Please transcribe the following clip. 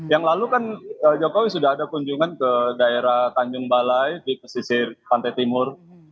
yang lalu kan jokowi sudah ada kunjungan ke daerah tanjung balai di pesisir pantai timur